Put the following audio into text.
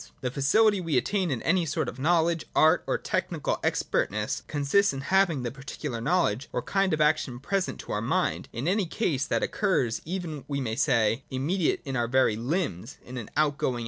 The facility we attain in any sort of knowledge, art, or technical expertness, consists in having the particular knowledge or kind of action pre sent to our mind in any case that occurs, even we may say, immediate in our very limbs, in an out going VOL.